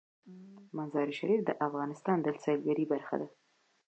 مزارشریف د افغانستان د سیلګرۍ برخه ده.